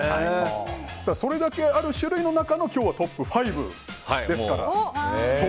それだけある種類の中の今日はトップ５ですから